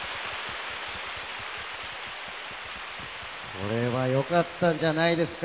これは良かったんじゃないですか？